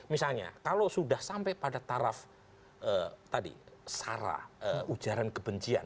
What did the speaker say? misalnya kalau sudah sampai pada taraf tadi sara ujaran kebencian